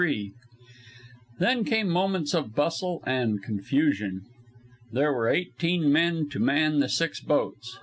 Then came moments of bustle and confusion. There were eighteen men to man the six boats.